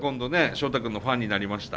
ショウタ君のファンになりました。